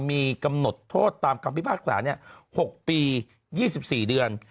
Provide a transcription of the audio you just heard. มีกำหนดโทษตามกรรมพิพาทศาสตร์เนี่ย๖ปี๒๔เดือน